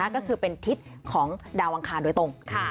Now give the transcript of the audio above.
ก็คือเป็นทิศของดาวอังคารโดยตรง